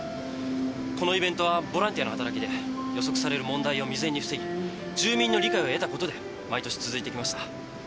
このイベントはボランティアの働きで予測される問題を未然に防ぎ住民の理解を得たことで毎年続いてきました。